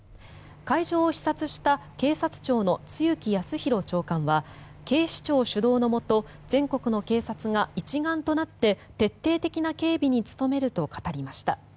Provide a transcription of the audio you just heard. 会場を視察した警察庁の露木康浩長官は警視庁主導のもと全国の警察が一丸となって徹底的な警備に努めると語りました。